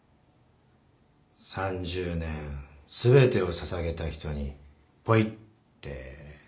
３０年全てを捧げた人にポイって捨てられて